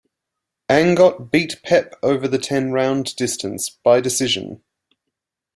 Angott beat Pep over the ten round distance, by decision.